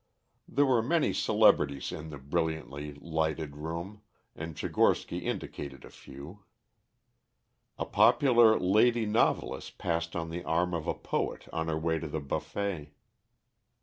There were many celebrities in the brilliantly lighted room, and Tchigorsky indicated a few. A popular lady novelist passed on the arm of a poet on her way to the buffet.